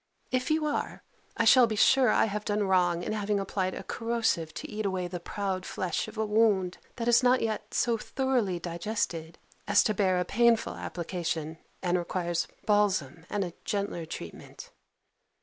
If you are, I shall be sure I have done wrong in having applied a corrosive to eat away the proud flesh of a wound, that is not yet so thoroughly digested, as to bear a painful application, and requires balsam and a gentler treatment.